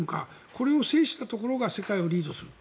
これを制したものが世界をリードする。